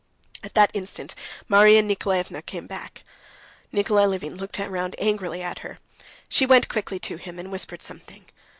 At that instant Marya Nikolaevna came back. Nikolay Levin looked round angrily at her. She went quickly to him, and whispered something.